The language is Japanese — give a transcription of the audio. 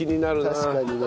確かにね。